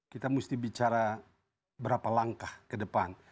kita mesti bicara berapa langkah ke depan